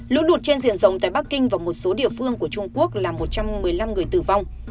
lũ lụt trên diện rộng tại bắc kinh và một số địa phương của trung quốc là một trăm một mươi năm người tử vong